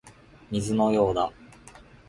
水のようだ